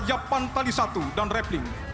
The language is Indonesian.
rayapan tali satu dan rafling